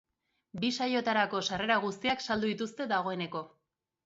Bi saioetarako sarrera guztiak saldu dituzte dagoeneko.